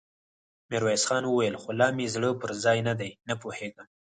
ميرويس خان وويل: خو لا مې زړه پر ځای نه دی، نه پوهېږم!